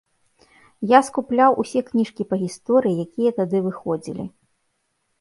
Я скупляў усе кніжкі па гісторыі, якія тады выходзілі.